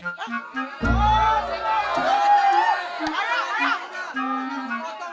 aduh ini mana sih